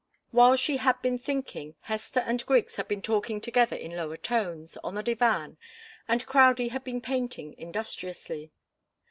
While she had been thinking, Hester and Griggs had been talking together in lower tones, on the divan, and Crowdie had been painting industriously.